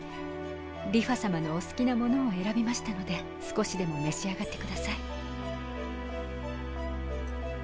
梨花さまのお好きなものを選びましたので少しでも召し上がってください。